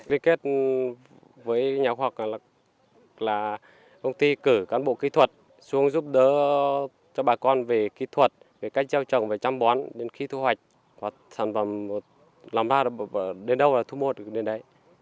về kết với nhà khoa học là công ty cử cán bộ kỹ thuật xuống giúp đỡ cho bà con về kỹ thuật về cách treo trồng về chăm bón đến khi thu hoạch hoặc sản phẩm làm ra